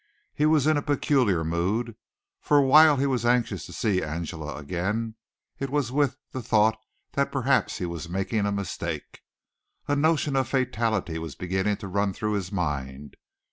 He was in a peculiar mood, for while he was anxious to see Angela again it was with the thought that perhaps he was making a mistake. A notion of fatality was beginning to run through his mind.